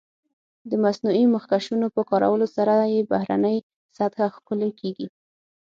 د مصنوعي مخکشونو په کارولو سره یې بهرنۍ سطح ښکلې کېږي.